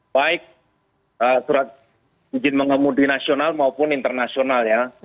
baik surat izin mengemudi nasional maupun internasional ya